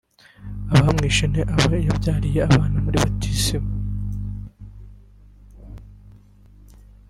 abamwishe ni abo yabyariye abana muri batisimu